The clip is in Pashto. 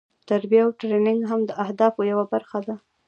تربیه او ټریننګ هم د اهدافو یوه برخه ده.